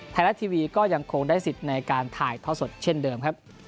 ไทยรัฐทีวีก็ยังคงได้สิทธิ์ในการถ่ายท่อสดเช่นเดิมครับ